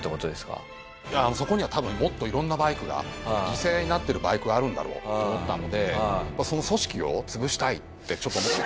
そこには多分もっといろんなバイクが犠牲になってるバイクがあるんだろうと思ったのでその組織を潰したいってちょっと思った。